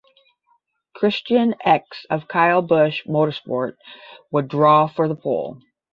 Christian Eckes of Kyle Busch Motorsports would draw for the pole.